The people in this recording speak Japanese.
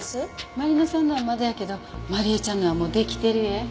まり乃さんのはまだやけどまり枝ちゃんのはもう出来てるえ。